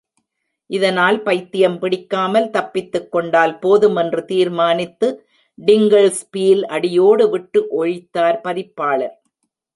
இதனால் பைத்தியம் பிடிக்காமல் தப்பித்துக் கொண்டால் போதும் என்று தீர்மானித்து டிங்கிள்ஸ் பீல் அடியோடு விட்டு ஒழித்தார் பதிப்பாளர்.